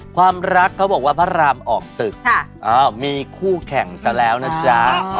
ความรักเขาบอกว่าพระรามออกศึกมีคู่แข่งซะแล้วนะจ๊ะ